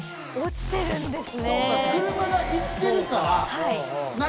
車が行ってるから。